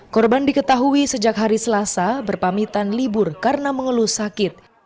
korban diketahui sejak hari selasa berpamitan libur karena mengeluh sakit